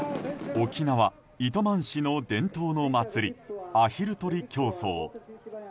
沖縄・糸満市の伝統の祭りアヒル取り競争。